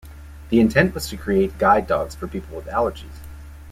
The intent was to create guide dogs for people with allergies.